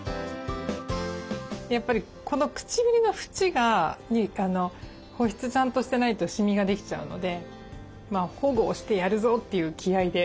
やっぱりこの唇の縁が保湿ちゃんとしてないとシミができちゃうので保護をしてやるぞという気合いで。